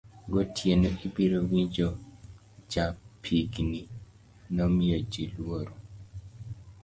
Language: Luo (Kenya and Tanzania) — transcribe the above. gotieno ibiro winjo chapnigi nomiyo ji lworo